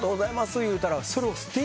言うたら。